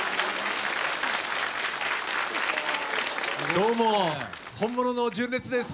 どうも本物の純烈です。